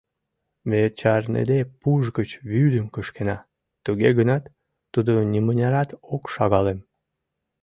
Ме чарныде пуш гыч вӱдым кышкена, туге гынат, тудо нимынярат ок шагалем.